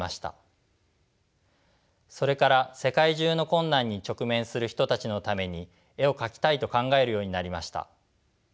それから世界中の困難に直面する人たちのために絵を描きたいと考えるようになりました。